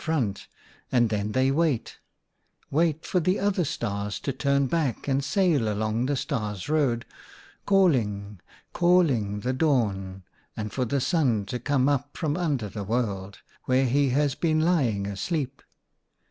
68 OUTA KARELS STORIES front, and then they wait — wait for the other Stars to turn back and sail along the Stars' Road, calling, calling the Dawn, and for the Sun to come up from under the world, where he has been lying asleep.